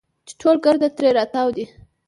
چې ټول ګرد ترې راتاو دي.